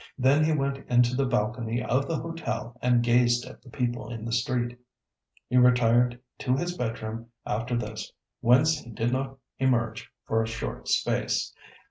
Then he went into the balcony of the hotel and gazed at the people in the street. He retired to his bed room after this, whence he did not emerge for a short space.